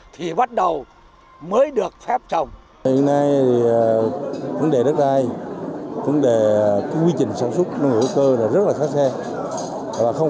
thì bắt đầu mới được phép trồng